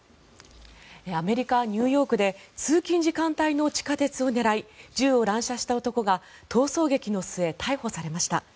アメリカ・ニューヨークで通勤時間帯の地下鉄を狙い銃を乱射した男が逃走劇の末、逮捕されました。